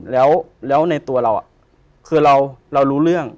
แล้วในตัวเราคือเรารู้เรื่อง